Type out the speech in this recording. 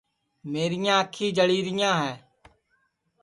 میریاں انکھی جݪی ریاں ہے